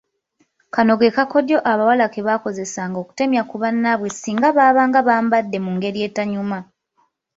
Kano kakodyo abawala ke baakozesanga okutemya ku bannaabwe singa baabanga bambadde mu ngeri etanyuma.